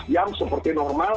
dua belas jam seperti normal